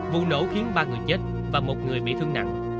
vụ nổ khiến ba người chết và một người bị thương nặng